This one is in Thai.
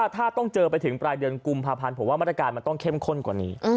ถ้าต้องเจอไปถึงปลายเดือนกุมภาพันธ์ผมว่ามาตรการมันต้องเข้มข้นกว่านี้